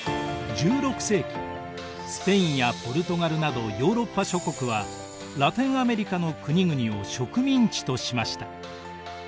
１６世紀スペインやポルトガルなどヨーロッパ諸国はラテンアメリカの国々を植民地としました。